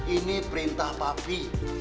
ini perintah papi